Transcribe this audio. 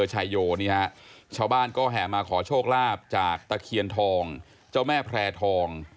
ชาวบ้านก็แห่มาขอโชคลาบจากตะเคียนทองเจ้าแม่แพร่ทอง